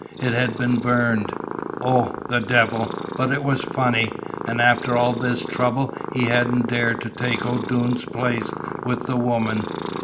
It had been burned. Oh, the devil, but it was funny! And after all this trouble he hadn't dared to take O'Doone's place with the woman.